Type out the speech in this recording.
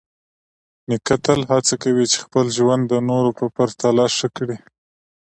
نیکه تل هڅه کوي چې خپل ژوند د نورو په پرتله ښه کړي.